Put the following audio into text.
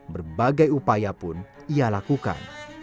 berbagai upaya pun ia lakukan